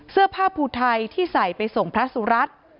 เสื้อผ้าภูไทยที่ใส่ไปส่งพระสุรัตน์